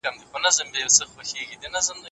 سولاغه هره ورځ څاه ته نه لوېږي.